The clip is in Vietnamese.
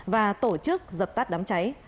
và tổ chức dập tắt đám cháy